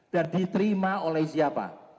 dan diterima oleh siapa